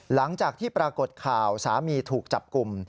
หลังจากที่ปรากฏข่าวสามีถูกจับกลุ่ม